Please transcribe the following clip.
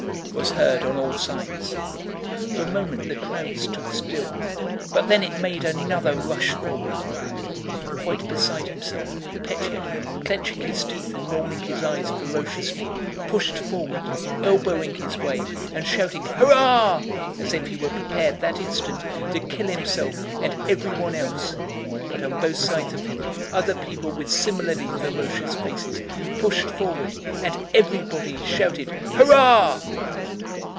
was heard on all sides. For a moment the crowd stood still, but then it made another rush forward. Quite beside himself, Pétya, clinching his teeth and rolling his eyes ferociously, pushed forward, elbowing his way and shouting "hurrah!" as if he were prepared that instant to kill himself and everyone else, but on both sides of him other people with similarly ferocious faces pushed forward and everybody shouted "hurrah!"